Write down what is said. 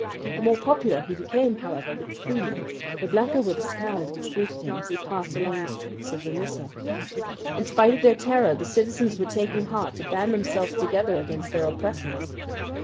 The more popular he became, however, with the Freemen, the blacker were the scowls which greeted him as he passed along the streets of Vermissa. In spite of their terror the citizens were taking heart to band themselves together against their oppressors.